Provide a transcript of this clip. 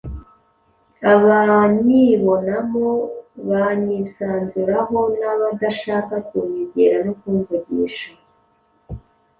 Abanyibonamo banyisanzuraho n’abadashaka kunyegera no kumvugisha,